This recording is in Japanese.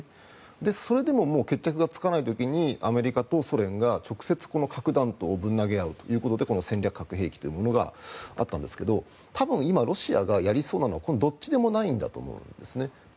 それでも決着がつかない時にアメリカとソ連が直接核弾頭をぶん投げ合うということでこの戦略核兵器というものがあったんですが多分今、ロシアがやりそうなのはどっちでもないんだと思うんですね。